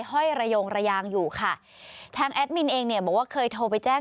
ห้อยระยงระยางอยู่ค่ะทางแอดมินเองเนี่ยบอกว่าเคยโทรไปแจ้ง